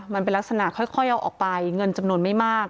มันเป็นลักษณะค่อยเอาออกไปเงินจำนวนไม่มาก